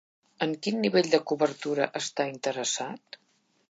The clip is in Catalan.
En quin nivell de cobertura està interessat?